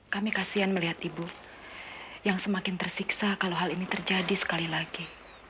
kami kasian melihat ibu yang semakin tersiksa kalau hal ini terjadi sekali lagi